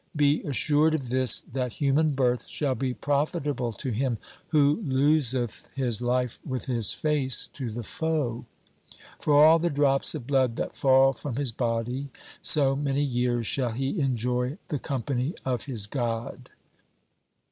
Be assured of this that THE SIKH RELIGION human birth shall be profitable to him who loseth his life with his face to the foe. For all the drops of blood that fall from his body, so many years shall he enjoy the company of his God.'